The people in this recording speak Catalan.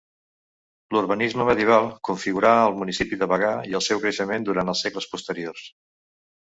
L'urbanisme medieval configurà el municipi de Bagà i el seu creixement durant els segles posteriors.